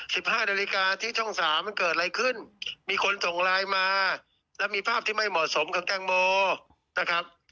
แต่๑๕นาฬิกาที่ช่อง๓มันเกิดอะไรขึ้นมีคนส่งไลน์มาแล้วมีภาพที่ไม่เหมาะสม